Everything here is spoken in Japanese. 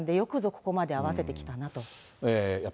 ここまで合わせてきたなと。